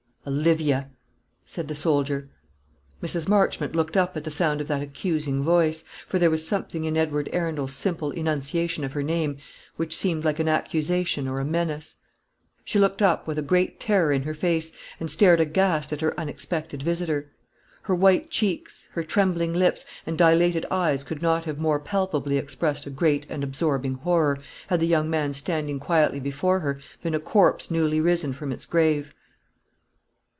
"Olivia!" said the soldier. Mrs. Marchmont looked up at the sound of that accusing voice, for there was something in Edward Arundel's simple enunciation of her name which seemed like an accusation or a menace. She looked up, with a great terror in her face, and stared aghast at her unexpected visitor. Her white cheeks, her trembling lips, and dilated eyes could not have more palpably expressed a great and absorbing horror, had the young man standing quietly before her been a corpse newly risen from its grave.